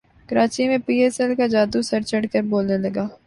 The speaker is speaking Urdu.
کراچی میں پی ایس ایل کا جادو سر چڑھ کر بولنے لگا